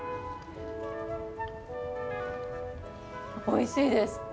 おいしいです。